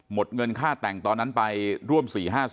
หมดเงินค่าแต่งตอนนั้นไปร่วม๔๕๐